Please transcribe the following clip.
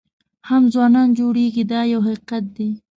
هم ځوانان جوړېږي دا یو حقیقت دی.